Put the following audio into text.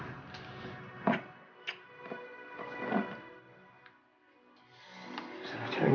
akabatku bersabar laboratory